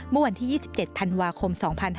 เมื่อวันที่๒๗ธันวาคม๒๕๕๙